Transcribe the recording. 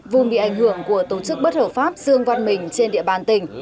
vùng bị ảnh hưởng của tổ chức bất hợp pháp dương văn mình trên địa bàn tỉnh